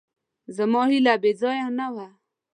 زما هیله بېځایه نه وه.